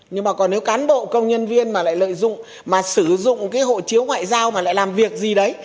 nhưng mà còn nếu cán bộ công nhân viên mà lại lợi dụng mà sử dụng cái hộ chiếu ngoại giao mà lại làm việc gì đấy